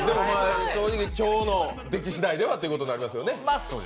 正直、今日の出来次第でということになりますよね。